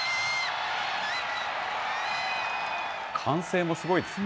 歓声もすごいです。